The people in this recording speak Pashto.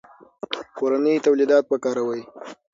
کورني تولیدات وکاروئ.